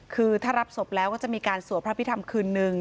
คือถ้ารับศพแล้วก็จะมีการสวดพระพิธรรมคืนนึง